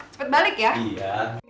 cepet balik ya